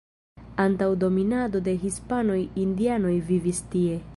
Antaŭ dominado de hispanoj indianoj vivis tie.